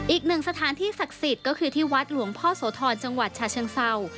อีกหนึ่งสถานที่ศักดิ์สิทธิ์ก็คือที่วัดหลวงพ่อโสธรจังหวัดชาเชิงเศร้า